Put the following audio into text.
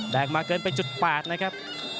แดงมาเกินไปจุด๘นะครับ